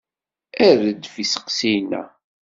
Err-d f isteqsiyen-a.